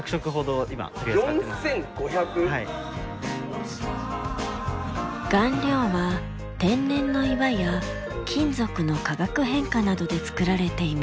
顔料は天然の岩や金属の化学変化などで作られています。